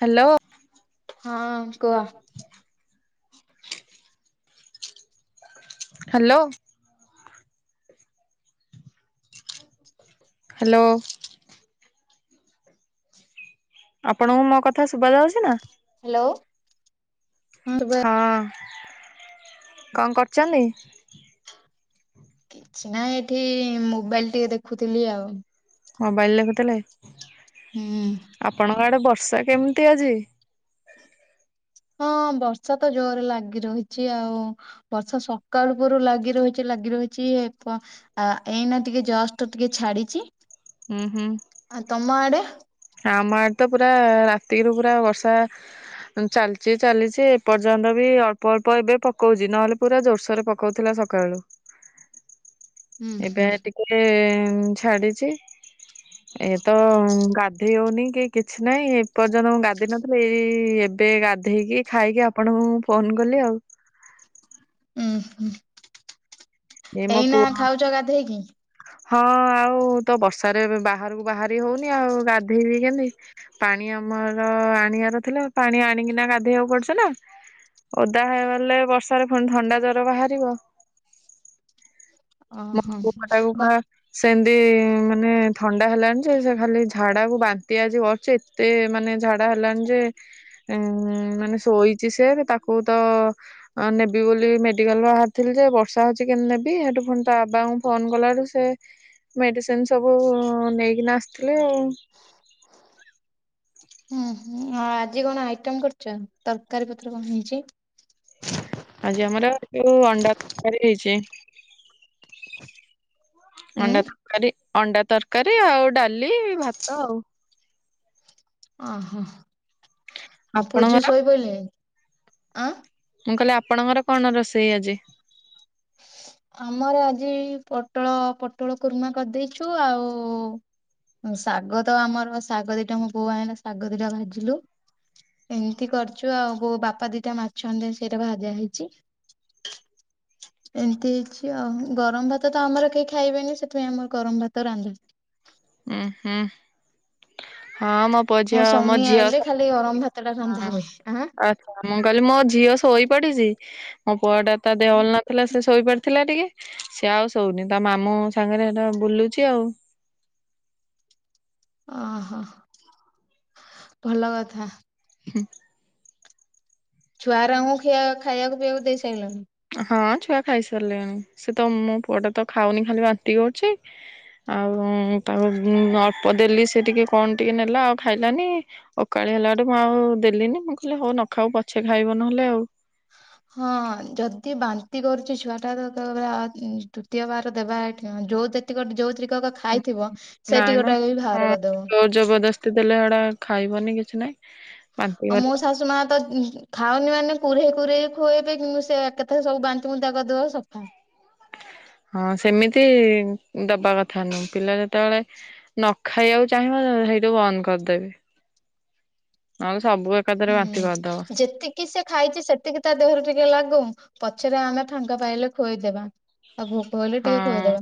Hello. ହଁ କୁହ। Hello. Hello. ଆପଣଙ୍କୁ ମୋ କଥା ଶୁଭ ଯାଉଛି ନା। ହ୍ୟାଲୋ ହଁ କଣ କରୁଛନ୍ତି। କିଛି ନା ଏଠି ମୋବାଇଲ ଟିକେ ଦେଖୁଥିଲି ଆଉ। ମୋବାଇଲ ଦେକହୁଥିଲେ। ହୁଁ। ଆପଣଙ୍କ ଆଡେ ବର୍ଷା କେମିତି ଅଛି। ହଁ ବର୍ଷା ତ ଜୋରରେ ଲାଗି ରହିଛି ଆଉ। ବର୍ଷା ସକାଳ ଉପରୁ ଲାଗି ରହିଛି ଲାଗି ରହିଛି ଆ ଏଇନା ଟିକେ ଜଷ୍ଟ ଟିକେ ଛାଡିଚଛି। ହୁଁ ହୁଁ। ଆ ତମ ଆଡେ। ଆମଡ ତ ପୁରା ରାତିରୁୁ ପୁରା ବର୍ଷା ଚାଲିଚ ଚାଲିଛି ଏପର୍ଯ୍ୟନ୍ତ ବି ଅଳ୍ପ ଅଳ୍ପ ଏବେ ପକଉଛି ନହେଲେ ପୁରା ଜୋରସୋରରେ ପକଉଥିଲା ସବୁ ସକାଳୁ ହୁଁ ହୁଁ। ଏବେ ଟିକେ ଇଏ ଛାଡିଛି ଏ ତ ଗା ଗଧେଇ ହଉନି କି କିଛି ନହିଁ ଏପର୍ଯ୍ୟନ୍ତ ମୁଁ ଗାଧୋଇ ନଥିଲି ଏ ଏବେ ଗାଧେଇକି ଖାଇକି ଆପଣଙ୍କୁ ମୁଁ ଫୋନ କଲି ଆଉ। ଉୁଁ ହୁଁ। ଏମ ଏଇନା ପୁ ଖାଉଛ ଗାଧେଇକି? ହଁ ଆଉ ତ ବର୍ଷାରେ ଏବେ ବାହାରକୁ ବାହାରି ହଉନି ଆଉ ଗାଧେଇବି କେମତି? ପାଣି ଆମର ଆଣି ଆର ଥିଲା ପାଣି ଆଣିକିନା ଗାଧେଇବାକୁ ପଡୁଥିଲା। ଓଦା ହେଇଗଲେ ବର୍ଷାରେ ପୁଣି ଥଣ୍ଡା ଜର ବାହାରିବ। ଓହୋ। [unintelligible] ମୁଁ କମା କ ଟା। ସେମିତି ମାନେ ଥଣ୍ଡା ହେଲାଣି ଯେ ସେ ଖାଲି ଝାଡାକୁ ବାନ୍ତି ଆଜି କରଛି। ଏତେ ମାନେ ଝାଡା ହେଲାଣି ଯେ ଉ ମାନେ ଶୋଇଛି ସେ ତାକୁ ତ ଆ ନେବି ବୋଲି ମେଡିକାଲ ବାହାରିଥିଲି ଯେ ବର୍ଷା ହଉଛି କେମିତି ନେବି ସେଠୁ ଫୁ ବାବାଙ୍କୁ ଫୋନ କଲାାରୁ ସେ ମେଡିସିନ ସବୁ ନେଇକିନା ଆସିଥିଲେ ଆଉ। ହୁଁଁ ଆଜି କଣ ଆଇଟମ କରୁଛ ତରକାରୀ ପତ୍ର କଣ ହେଇଛି? ଆଜି ଆମର ଯୋଉ ଅଣ୍ଡାରକାର ହେଇଛି। ଉଁ ଅଣ୍ଡା ତରକାରୀ ଅଣ୍ଡା ତରକାରୀ ଆଉ ଡାଲି ଭାତ ଆଉ। ଓହୋ ଆଉ ପୁଅ ଝିଅ ଆପଣଙ୍କର ଶୋଇପଇଲେ ଆଁ। ମୁଁ କହିଲି ଆପଣଙ୍କର କଣ ରୋଷେଇ ଆଜି? ଆମର ଆଜି ପୋଟଳ ପୋଟଳ କୁର୍ମା କରିଦେଇଛୁ ଆଉ ଶାଗ ତ ଆମର ଶାଗ ଦିଟା ମୋ ବୋଉ ଆଁଇଲା ଶାଗ ଦିଟା ଭାଜିଲୁ। ଏମିତି କରୁଛୁ ଆଉ ବୋଉ ବାପା ଦିଟା ମାଛ ଆଣିଦେ ସେଇଟା ଭାଜା ହେଇଛି। ଦେଇଛି ଆଉ ଗରମ ଭାତ ତ ଆମର କେହି ଖାଇବେନି ସେଥିପାଇଁ ଆମର ଗରମ ଭାତ ରାନ୍ଧ ଊଂହୁଁ ହଁ ମ ମୋ ସ୍ୱାମୀ ଆଇଲେ ଖାଲି ଗରମ ଭାତ ଟା ରନ୍ଧା ହୁଏଁ। ଆ ମୁଁ କହିଲି ମୋ ଝିଅ ଶୋଇ ପଡିଛି ମୋ ପୁଅ ଟା ତା ଦେହ ହଲ ନଥିଲା ସେ ଶୋଇପାରିଥିଲା ଟିକେ ସିଏ ଆଉ ଶୋଉନି ତା ମାମୁ ସାଙ୍ଗରେ ସେଟା ବୁଲୁଛି ଆଉ। ଅହୋ ଭଲ କଥା। ହୁଁ। ଛଆ ରାଙ୍କୁ ଖିଆ ଖାଇଆକୁ ପିଇବାକୁ ଦେଇସାଇଲଣି। ହଁ ଛୁଆ ଖାଇସାଇଲେଣି ସେ ତ ମୋ ପୁଅଟା ତ ଖାଉନି ଖାଲି ବାନ୍ତି କରୁଛି। ଆଉ ତାକୁ ଅଳ୍ପ ଦେଲି ସେ ଟିକେ କଣ ଟିକେ ନେଲା ଆଉ ଖାଇଲାନି। ଅକାଳି ହେଲାଠୁ ମୁଁ ଆଉ ଦେଲିିନି ମୁଁ କହିଲି ହଉ ନ ଖାଉ ପଛେ ଖାଇବ ନହେଲେ ଆଉ। ହଁ ଯଦି ବାନ୍ତି କରୁଛି ଛୁଆ ଟା ତ ଆ ଉଁ ତୃତୀୟ ବାର ଦେବା ଏଠି ଯୋଉ ତେ ଗଟେ ଯୋଉଥିକ କ ଖାଇଥିବ ସେ ନାଇଁ ଟିକ ମା ଟା ବି ବାହାର ହଁ କରିଦବ। ଜୋର ଜବରଦସ୍ତି ଦେଲେ ଏଡା ଖାଇବନି କିଛି ନାହିଁ। ବାନ୍ତି ଆଉ କରି ମୋ ଶାଶୁ ମା ତ ଖାଉନି ମାନେ କୁରେଇ କୁରେଇ ଖୁଏଇବେ କିନ୍ତୁ ସେ ଏକେଥା ସବୁ ବାନ୍ତି ବୁନ୍ତା କରିଦବ ସଫା। ହଁ ସେମିତି ଦବା କଥା ନୁହଁ ପିଲା ଯେତେବେଳେ ନ ଖାଇବାକୁ ଚାହିଁବ ସେଇଠୁ ବନ୍ଦ କରିଦେବି ନହେଲେ ସବୁ ଏକାଥରେ ବାନ୍ତି କରିଦବ। ହୁଁ ଯେତି କି ସେ ଖାଇଛି ସେତିକି ତା ଦେହରୁ ଟିକେ ଲାଗୁ ପଛରେ ଆମେ ଫାଙ୍କା ପାଇଲେ ଖୁଆଇଦବା। ଆଉ ଭୋକ ହେଲେ ହଁ ଟିକେ ଖୁଏଇଦବା।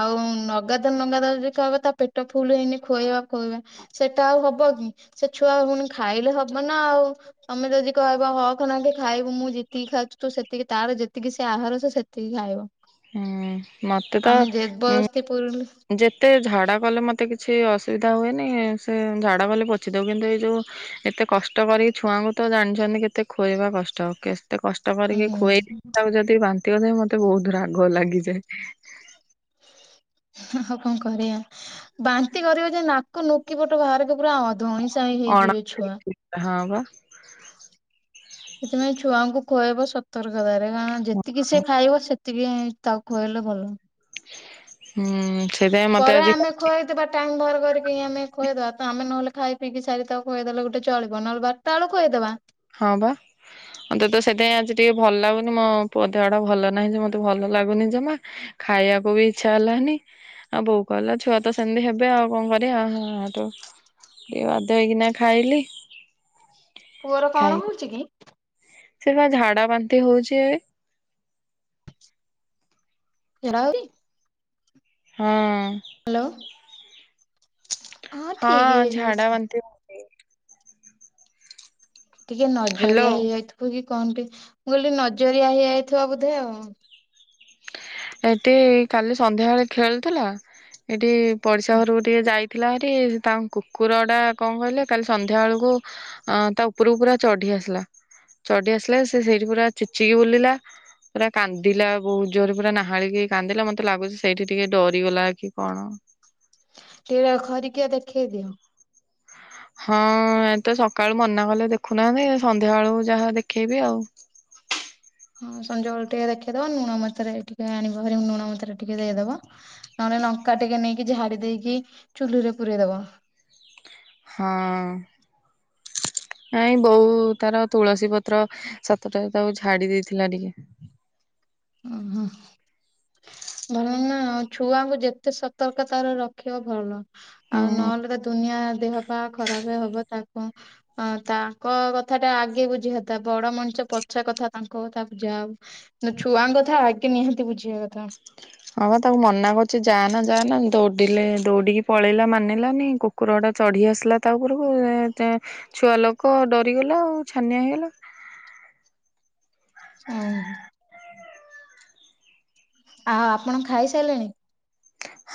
ଆଉ ନଗାତେ ନଗାତେ ଯଦି ଖଇବା ତା ପେଟ ଫୁଲ ହେଇନି ଖୁଆଇବା ଖୁଆଇବା। ସେଟା ଆଉ ହବ କି ସେ ଛୁଆ ପୁଣି ଖାଇଲେ ହବ ନା ଆଉ। ତମେ ଯଦି କହିବ ହ ଖନାକେ ଖାଇବୁ ମୁଁ ଯେତିକି ଖାଉଛି ତୁ ସେତିକି ତାର ଯେତିକି ସେ ଆହାର ସେ ସେତ ତିକି ଖାଇବ। ହୁଁ ମତେ ତ ଆମେ ଜବରଦସ୍ତି ପୁରିଲୁ ଉଁ ଯେତେ ଝାଡ଼ା କଲେ ମତେ କିଛି ଅସୁବିଧା ହୁଏନି ସେ ଝାଡ଼ା କଲେ ପୋଛି ଦଉ କିନ୍ତୁ ଏଇ ଯୋଉ ଏତେ କଷ୍ଟ କରିକି ଛୁଆଙ୍କୁ ତ ଜାଣିଛନ୍ତି କେତେ ଖୁଆଇବା କଷ୍ଟ କେ ଏତେ କଷ୍ଟ କରିକି ହୁଁ ଖୁଏଇ ତାକୁ ଯଦି ବାନ୍ତି କରିଥାଏ ମତେ ବହୁତ ରାଗ ଲାଗିଯାଏ। ଆଉ କଣ କରିବା ବାନ୍ତି କରିବ ଯେ ନାକ ନୁକି ପଟେ ବାହାରିକ ପୁରା ଅ ଧଇଁ ସାହିଁ ଅଣ ହେଇଯିବେ ଛୁଆ। ହଁ ବା। ସେଥିପାଇଁ ଛୁଆଙ୍କୁ ଖୁଆଇବ ସତର୍କତାରେ କାରଣ ଯେତିକି ସେ ଖାଇବ ସେ ସେତିକି ହଁ ତାକୁ ଖୁଆଇଲେ ଭଲ। ହୁଁ। ସେଇଥିପାଇଁ ମତେ ପରେ ଆଜି ଆମେ ଖୁଆଇଦବା ଟାଇମ ବାହାର କରିକି ଆମେ ଖୁଆଇଦବା ତ ଆମେ ନହେଲେ ଖାଇ ପିଇକି ସାରି ତାକୁ ଖୁଇଦେଲେ ଗୋଟେ ଚଳିବ ନହଲେ ବା ତାଳୁ ଖୁଏଇ ଦବା। ହଁ ବା। ମତେ ତ ସେଥିପାଇଁ ଆଜି ଟିକେ ଭଲ ଲାଗୁନି ମୋ ପୁଅ ଦେହ ଡା ଭଲ ନାହିଁ ଯେ ମତେ ଭଲ ଲାଗୁନି ଜମା। ଖାଇବାକୁ ବି ଇଚ୍ଛା ହେଲାନି। ଆଉ ବୋଉ କହିଲା ଛୁଆ ତ ସେମିତି ହେବେ ଆଉ କଣ କରିବା ହଁ ହେଠୁ। ଏ ବାଧ୍ୟ ହେଇକିନା ଖାଇଲି। ପୁଅର କଣ ହଉଛି କି। ସିଏ ପା ଝାଡା ବାନ୍ତି ହଉଛି ଏ। ଝାଡା ହଉଛି ହଁ। ହାଲୋ। ହଁ ଠିକ ହେଇଯିବ ଝାଡା ସେ ବାନ୍ତି। ହଉଛି। ଟିକେ ହ୍ୟାଲୋ ନଜରିଆ ହେଇଯାଇଥିବ କି କଣ ଟେ ମୁଁ କହିଲିି ନଜରିଆ ହେଇଯାଇଥିବ ବୋଧେ ଆଉ। ଏଠି କାଲି ସନ୍ଧ୍ୟାବେଳେ ଖେଳୁଥିଲା ଏଠି। ପଡ଼ିଶା ଘରକୁ ଟିକେ ଯାଇଥିଲା ହାରି ତାଙ୍କ କୁକୁରଟା କଣ କହିଲେ କାଲି ସନ୍ଧ୍ୟା ବେଳକୁ। ଅ ତା ଉପରକୁ ପୁରା ଚଢି ଆସିଲା। ଚଢି ଆସିଲା ସେ ସେଇଠି ପୁରା ଚିଚିକି ବୁଲିଲା ପୁରା କାନ୍ଦିଲା। ବହୁତ ଜୋର ପୁରା ନାହାଳିକି କାନ୍ଦିଲା ମତେ ଲାଗୁଛି ସେଇଠି ଟିକେ ଡରିଗଲା କି କଣ। ଟିକ ଖରିକିଆ ଦେଖେଇ ଦିଅ। ହଁ ଏ ତ ସକାଳୁ ମନା କଲେ ଦେଖୁନାହାନ୍ତି ସନ୍ଧ୍ୟା ବେଳୁ ଯାହା ଦେଖେଇବି ଆଉ। ହଁ ସଞ୍ଜ ବେଳେ ଟିକେ ଦେଖେଇଦବ ଲୁଣ ମନ୍ତୁରେ କି ଟିକେ ଆଣିବା ଭାରି ଲୁଣ ମନ୍ତୁରେ କି ଟିକେ ଦେଇଦବ। ନହେଲେ ଲଙ୍କା ଟିକେ ନେଇକି ଝାଡି ଦେଇକି ଚୁଲିରେ ପୁରରେଇ ଦବ। ହଁ। ନାଇଁ ବୋଉ ତାର ତୁଳସୀ ପତ୍ର ସାତଟା ତାକୁ ଝାଡି ଦେଇଥିଲା ଟିକେ। ଉଁ ହୁଁ। ଭଲ ନା ଆଉ ଛୁଆଙ୍କୁ ଯେତେ ସତର୍କ ତାର ରଖିବ ଭଲ। ଆଉ ହୁଁ ନହେଲେ ତ ଦୁନିଆ ଦେହ ପା ଖରାପ ହବ ତାକୁ। ହଁ ତାଙ୍କ କଥା ଟା ଆଗେ ବୁଝିିବା କଥା ବଡ ମଣିଷ ପଛ କଥା ତାଙ୍କ ତା ବୁଝା ହଉ। ଛୁଆଙ୍କ କଥା ଆଗେ ନିହାତି ବୁଝିବା କଥା। ହଁ ପା ତାକୁ ମନା କରୁଛି ଯା ନା ଯା ନା ଦୌଡିଲେ ଦୌଡିକି ପଳେଇଲା ମାନିଲାନି କୁ। କୁକୁରଟା ଚଢ଼ି ଆସିଲା ତା ଉପରକୁ ଛୁଆ ଲୋକ ଡରିଗଲା ଆଉ ଛାନିଆ ହେଇଗଲା। ଉଁ ହୁଁ। ଆଉ ଆପଣ ଖାଇସାଇଲେଣି।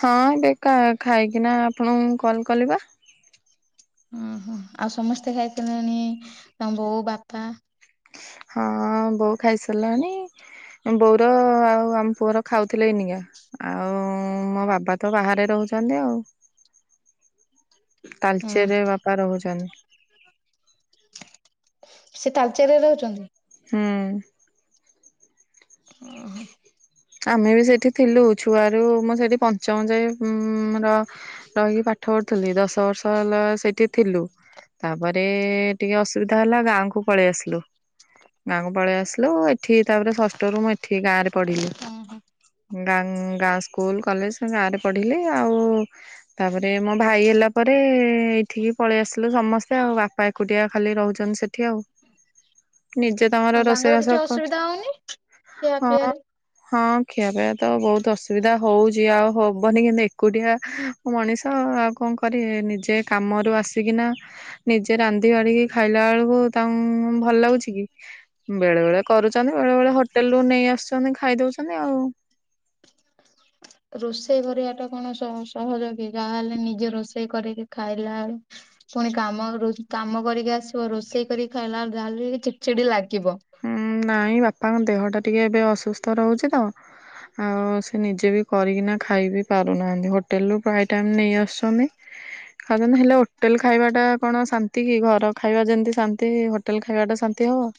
ହଁ ଏବେକା ଖାଇକିନା ଆପଣଙ୍କୁ କଲ୍ କଲି ପା। ଉଁ ହୁଁ ଆଉ ସମସ୍ତେ ଖାଇସାଇଲେଣି ତମ ବୋଉ ବାପା ହଁ ବୋଉ ଖାଇସାଇଲାଣି ବୋଉର ଆଉ ଆମ ପୁଅର ଖାଉଥିଲେ ଏନିକା। ଆଉ ମୋ ବାବା ତ ବାହାରେ ରହୁଛନ୍ତି ଆଉ। ତାଳଚେର ବାପା ରହୁଛନ୍ତି। ସେ ତାଳଚେର ରେ ରହୁଛନ୍ତି। ହୁଁ ଉଁ ହୁଁ ଆମେ ବି ସେଇଠି ଥିଲୁ ଛୁଆ ରୁ ମୁଁ ସେଠି ପଞ୍ଚମ ଯାଏ ଆମର। ରହିକି ପାଠ ପଢୁଥିଲି ଦଶ ବର୍ଷ ହେଲା ସେଇଠି ଥିଲୁ। ତାପରେ ଟିକେ ଅସୁବିଧା ହେଲା ଗାଁକୁ ପଳେଇ ଆସିଲୁ। ଗାଁକୁ ପଳେଇ ଆସିଲୁ ଏଠି ତାପରେ ଷଷ୍ଠରୁୁ ମୁଁ ଏଠି ଗାଁ ରେ ପଢିଲି। ହୁଁ ହୁଁ। ଗାଁ ଗାଁ ସ୍କୁଲ କଲେଜ ଗାଁରେ ପଢ଼ିଲି ଆଉ ତାପରେ ମୋ ଭାଇ ହେଲା ପରେ ଏଇଠିକି ପଳେଇ ଆସିଲୁ ସମସ୍ତେ ଆଉ ବାପା ଏକୁଟିଆ ଖାଲି ରହୁଛନ୍ତି ସେ ଠି ଆଉ ନିଜେ ତାଙ୍କର ହଁ ରୋଷେଇ କିଛି ବାସ କରୁ ଅସୁବିଧା ହଉନି ଖିଆ ପିଆରେ ହଁ ଖିଆ ପିଆ ରେ ତ ବହୁତ ଅସୁବିଧା ହଉଚ ଆଉ ହବନି କିନ୍ତୁ ଏକୁଟିଆ ମଣିଷ ଆଉ କଣ କରିବେ ନିଜେ କାମରୁ ଆସିକିନା ନିଜେ ରାନ୍ଧି ବାଢିକି ଖାଇଲା ବେଳକୁ ତାଙ୍କୁ ଭଲ ଲାଗୁଛି କି? ବେଳେ ବେଳେ କରୁଛନ୍ତି, ବେଳେ ବେଳେ ହୋଟେଲରୁୁ ନେଇ ଆସୁଛନ୍ତି ଖାଇ ଦଉଛନ୍ତି ଆଉ। ରୋଷେଇ କରିବା ଟା କଣ ସହ ସହଜ କି ଯାହାହେଲେ ନିଜେ ରୋଷେଇ କରିକି ଖାଇଲା ବେଳୁ ପୁଣି କାମ ରହୁଚି କାମ କରିକି ଆସିବ ରୋଷେଇ କରିକି ଖାଇଲା ଯାବି ହେଲେ ଚିଡଚିଡି ଲାଗିବ। ଉଁ ନାଇଁ ବାପାଙ୍କ ଦେହ ଟା ଟିକେ ଏବେ ଅସୁସ୍ଥ ରହୁଛି ତ ଆଉ ସେ ନିଜେ ବି କରିକିନା ଖାଇ ବିି ପାରୁନାହାନ୍ତି, ହୋଟେଲ ରୁ ପ୍ରାୟ ଟାଇମ ନେଇ ଆସୁଛନ୍ତି। ଖାଦନ ହେଲେ ହୋଟେଲ ଖାଇବା ଟା କଣ ଶାନ୍ତି କି ଘର ଖାଇବା ଯେମିତି ଶାନ୍ତି ହୋଟେଲ ଖାଇବା ଟା ଶାନ୍ତି ହବ।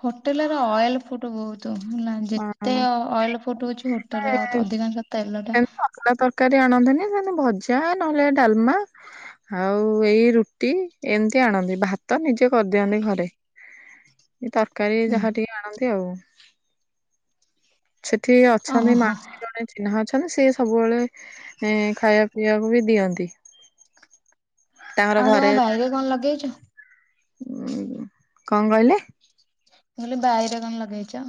ହୋଟେଲ ର ଅଏଲ୍ ଫୁଡ୍ ବହୁତ। ତ ହେଲା ଯେତେ ଅଏଲ ଫୁଡ ରହୁଉଛି ହୋଟେଲ ଅଧିକାଂଶ ତେଲ ଟା ପଲା ତରକାରୀ ଆଣନ୍ତିୁନି ସେମିତି ଭଜା ନହେଲେ ଡାଲମା ଆଉ ଏଇ ରୁଟି ଏମିତି ଆଣନ୍ତି। ଭାତ ନିଜେ କରିଦିଅନ୍ତି ଘରେ। ଏ ତରକାରୀ ହୁଁ ଯାହା ଟିକେ ଆଣନ୍ତି ଆଉ। ସେଠି ଅଛନ୍ତି ଓହୋ ମାଉସୀ ଜଣେ ଚିହ୍ନା ଅଛନ୍ତି, ସିଏ ସବୁବେଳେ ଏଁ ଖାଇବା ପିଇବାକୁ ବି ଦିଅନ୍ତି। ଆଉ ତମ ବାଇରେ କଣ ଲଗେଇଛ? ଉ କଣ କହିଲେ? ମୁଁ କହିଲି ବାଇରେ କଣ ଲଗେଇଛ?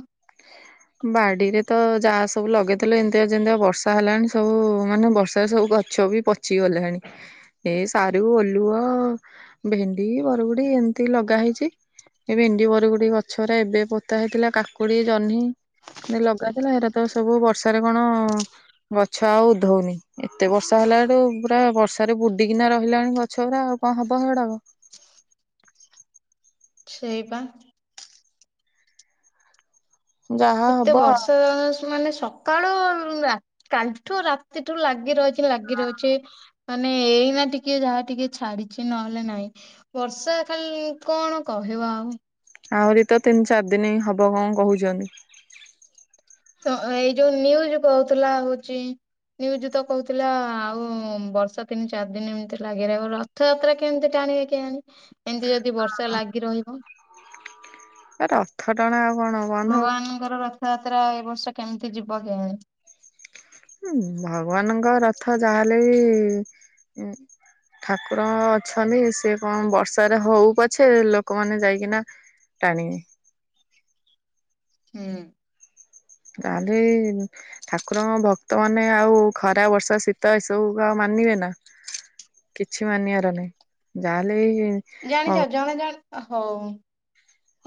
ହ ବାଡିରେ ତ ଯାହା ସବୁ ଲଗେଇଥିଲେ ଏମିତିକା ଯେମିତିଆ ବର୍ଷା ହେଲାଣି ସବୁ ମାନେ ବର୍ଷାରେ ସବୁ ଗଛ ବି ପ ଚି ଗଲାଣି। ଏ ସାରୁ, ଓଲୁଅ, ଭେଣ୍ଡି, ବରଗୁଡି ଏମିତି ଲଗା ହେଇଛି। ଏ ଭେଣ୍ଡି, ବରଗୁଡି ଗଛ ଗୁରା ଏବେ ପୋତା ହେଇଥିଲା। କାକୁଡି, ଜହ୍ନି ନ ଲଗାଥିଲା ଏରା ତ ସବୁ ବର୍ଷାରେ କଣ ଗଛ ଆଉ ଉଧଉନି। ଏତେ ବର୍ଷା ହେଲାଠୁ ପୁରା ବର୍ଷାରେ ବୁଡିକିନା ରହିଲାଣି ଗଛ ଗୁରା ଆଉ କଣ ହବ ସେଇଗୁଡାକ? ଛେଇପା ଯାହା ଏତେ ହବ ବର୍ଷା ଜ ମାନେ ସକାଳୁ ରା କାଲିଠୁ ରାତିଠୁ ଲାଗି ରହିଛି। ଲାଗି ରହୁଛି ମାନେ ଏଇନା ଟିକେ ଯାହା ଟିକେ ଛାଡିଛି ନହେଲେ ନାଇଁ ବର୍ଷା ଖାଲ୍ କଣ କହିବ ଆଉ। ଆଉରି ତ ତିନି ଚାରି ଦିନି ହବ କଣ କହୁଛନ୍ତି? ତ ଏଇ ଯୋଉ ନ୍ୟୁଜ କହୁଥିଲା ହଉଛି ନ୍ୟୁଜ ତ କହୁଥିଲା ଆଉ ବର୍ଷା ତିନି ଚାରି ଦିନି ଏମିତି ଲାଗି ରହିବ ର ଥଯାତ୍ରା କେମିତି ଟାଣିବେ କେଜାଣି, ଏମିତି ଯଦି ବର୍ଷା ଲାଗି ରହିବ। ରଥ ଟଣା ଆଉ କଣ ବନ୍ଦ ହବ ଭଗବାନଙ୍କର ରଥଯାତ୍ରା ଏ ବର୍ଷ କେମିତି ଯିବ କେଜାଣି? ଭଗବାନଙ୍କ ରଥ ଯାହାହେଲେ ବି ଉ ଠାକୁର ଅଛନ୍ତି, ସେ କଣ ବର୍ଷାରେ ହଉ ପଛେ ଲୋକମାନେ ଯାଇକିନା ଟାଣିିବେ। ହୁଁ। ଆଲି [unintelligible] ଠାକୁରଙ୍କ ଭକ୍ତ ମାନେ ଆଉ ଖରା ବର୍ଷା ଶୀତ ଏସବୁ କୁ ଆଉ ମାନିବେ ନା କିଛି ମାନିବାର ନାହିଁ, ଯାହାହେଲେ ବି ଜାଣିଛ ଜଣେ ଜାଣେ ହଉ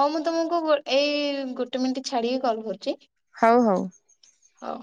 ହଁ ମୁଁ ତମକୁ ଗୋ ଏଇ ଗୋଟେ ମିନିଟ ଛାଡିକି କଲ କରୁଛି। ହଉ ହଉ। ହଉ।